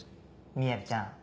みやびちゃん